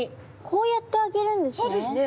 こうやってあげるんですね。